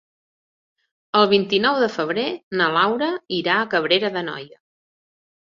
El vint-i-nou de febrer na Laura irà a Cabrera d'Anoia.